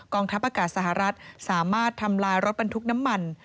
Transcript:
ทัพอากาศสหรัฐสามารถทำลายรถบรรทุกน้ำมัน